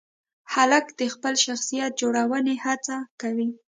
هلک د خپل شخصیت جوړونې هڅه کوي.